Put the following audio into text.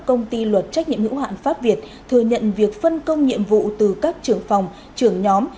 công ty luật trách nhiệm hữu hạn pháp việt thừa nhận việc phân công nhiệm vụ từ các trưởng phòng trưởng nhóm